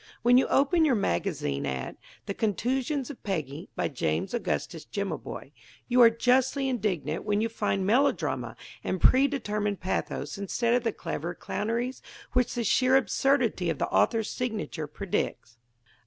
When you open your magazine at "The Contusions of Peggy, by James Augustus Jimaboy," you are justly indignant when you find melodrama and predetermined pathos instead of the clever clowneries which the sheer absurdity of the author's signature predicts.